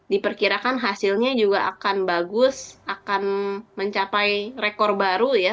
diperkirakan hasilnya juga akan bagus akan mencapai rekor baru ya